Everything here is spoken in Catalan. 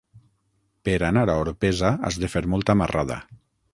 Per anar a Orpesa has de fer molta marrada.